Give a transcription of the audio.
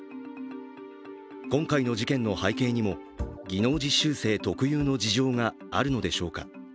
今回の事件の背景にも、技能実習生特有の事情があるのでしょうか。